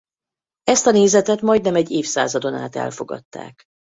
Ezt a nézetet majdnem egy évszázadon át elfogadták.